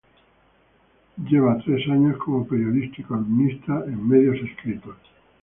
Lleva treinta años como periodista y columnista en medios escritos.